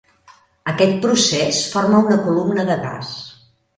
Aquest procés forma una columna de gas.